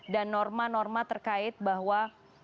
dan norma norma terkait bahwa